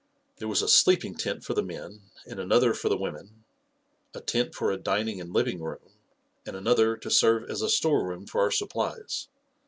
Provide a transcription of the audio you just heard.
There was a sleeping tent for the men and another for the women ; a tent for a dining and living room, and another to serve as a store room for our supplies.